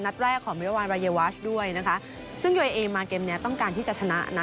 ลิฟท์แรกของเมื่อวานด้วยนะคะซึ่งยัวเอมาเกมต้องการที่จะชนะนะ